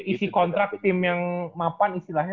isi kontrak tim yang mapan istilahnya